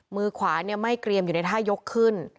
มือขวาไม่เกรียมอยู่ในท่ายกขึ้น